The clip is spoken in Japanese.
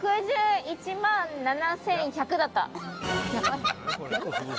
６１万７１００だった。